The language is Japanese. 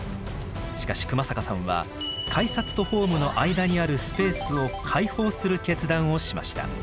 しかし熊坂さんは改札とホームの間にあるスペースを開放する決断をしました。